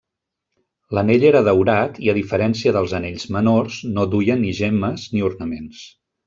L'Anell era daurat i a diferència dels anells menors no duia ni gemmes ni ornaments.